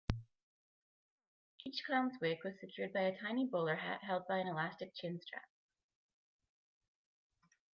Each clown's wig was secured by a tiny bowler hat held by an elastic chin-strap.